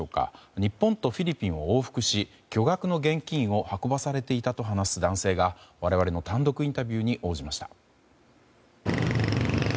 日本とフィリピンを往復し巨額の現金を運ばされていたと話す男性が我々の単独インタビューに応じました。